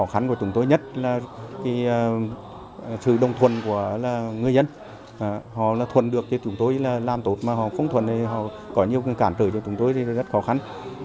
họ thuận được thì chúng tôi làm tốt mà họ không thuận thì họ có nhiều cản trở cho chúng tôi thì rất khó khăn